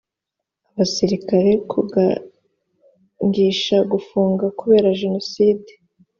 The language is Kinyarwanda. abasirikare gukangisha gufunga kubera jenoside